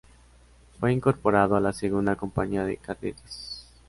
Fue incorporado a la segunda compañía de cadetes.